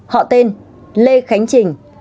một họ tên lê khánh trình